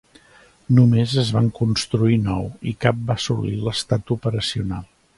Només es van construir nou i cap va assolit l'estat operacional.